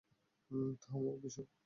থামো, বিশু।